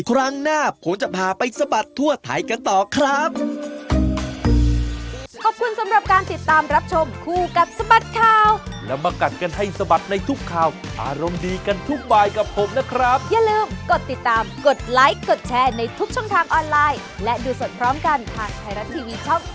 ครั้งหน้าผมจะพาไปสะบัดทั่วไทยกันต่อครับ